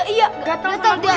iya gatel sama dia